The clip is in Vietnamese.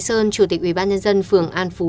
sơn chủ tịch ubnd phường an phú